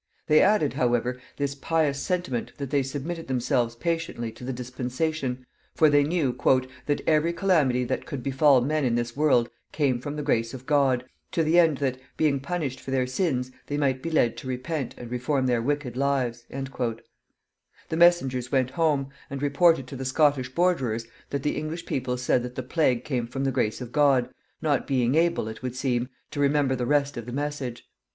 They added, however, this pious sentiment, that they submitted themselves patiently to the dispensation, for they knew "that every calamity that could befall men in this world came from the grace of God, to the end that, being punished for their sins, they might be led to repent and reform their wicked lives." The messengers went home, and reported to the Scottish borderers that the English people said that the plague came from the grace of God, not being able, it would seem, to remember the rest of the message.